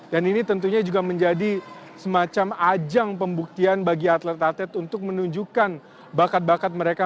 dan ini tentunya juga menjadi semacam ajang pembuktian bagi atlet atlet untuk menunjukkan bakat bakat mereka